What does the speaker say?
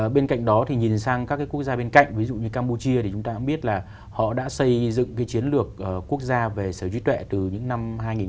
bên cạnh đó thì nhìn sang các quốc gia bên cạnh ví dụ như campuchia thì chúng ta cũng biết là họ đã xây dựng cái chiến lược quốc gia về sở hữu trí tuệ từ những năm hai nghìn một mươi